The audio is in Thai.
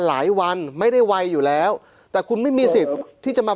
หลายวันไม่ได้ไวอยู่แล้วแต่คุณไม่มีสิทธิ์ที่จะมา